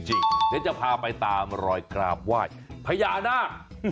เดี๋ยวจะพาไปตามรอยกราบไหว้พญานาค